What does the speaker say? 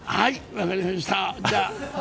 分かりました。